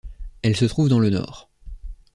Elle se trouve dans le nord.